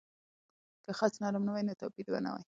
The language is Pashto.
که خج نرم نه وای، نو توپیر به نه وای.